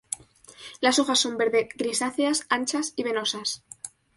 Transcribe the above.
Las hojas son verde grisáceas, anchas y venosas.